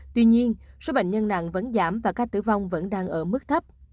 tuy nhiên số bệnh nhân nặng vẫn giảm và ca tử vong vẫn đang ở mức thấp